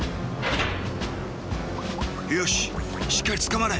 よししっかりつかまれ！